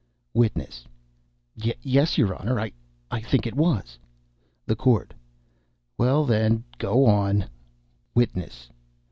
WITNESS. "Yes, your Honor, I I think it was." THE COURT. "Well, then, go on." WITNESS.